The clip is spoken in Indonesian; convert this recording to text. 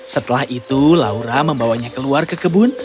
setelah itu laura membawanya keluar ke kebun